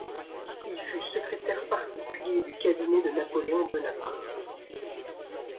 Il fut secrétaire particulier du Cabinet de Napoléon Bonaparte.